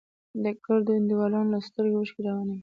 د ګردو انډيوالانو له سترگو اوښکې روانې وې.